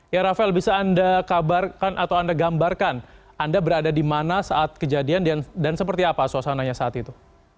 ya rafael bisa anda kabarkan atau anda gambarkan anda berada di mana saat kejadian dan seperti apa suasananya saat itu